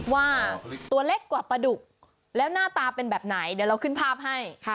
ว่าตัวเล็กกว่าปลาดุกแล้วหน้าตาเป็นแบบไหนเดี๋ยวเราขึ้นภาพให้